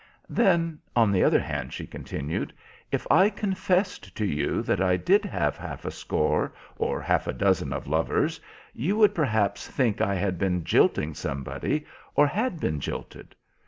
"Then, on the other hand," she continued, "if I confessed to you that I did have half a score or half a dozen of lovers, you would perhaps think I had been jilting somebody or had been jilted.